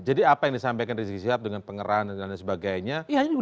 jadi apa yang disampaikan rizky siap dengan pengeran dan sebagainya